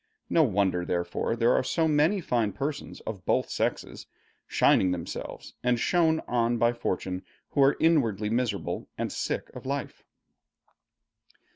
No wonder, therefore, there are so many fine persons of both sexes, shining themselves, and shone on by fortune, who are inwardly miserable and sick of life.